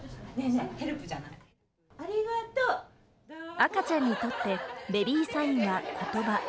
赤ちゃんにとってベビーサインは言葉。